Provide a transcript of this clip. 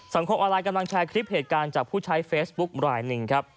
สังคมอลัยกำลังแชร์คลิปเหตุการณ์จากผู้ใช้เฟซบุ๊กรายนึงครับ